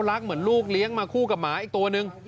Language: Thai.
รักเหมือนลูกเลี้ยงมาคู่กับหมาอีกตัวนึง